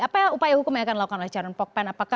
apa upaya hukum yang akan dilakukan oleh calon pokpen